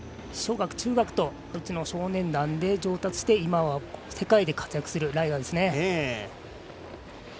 小学、中学とうちの少年団で上達して、今は世界で活躍するライダーです。